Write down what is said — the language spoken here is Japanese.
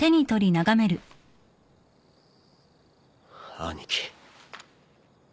兄貴。